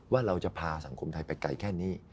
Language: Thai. ว่าเราจะพาสังคมไทยไปไกลแค่นี้